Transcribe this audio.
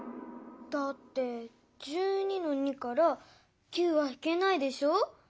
だって１２の２から９はひけないでしょ。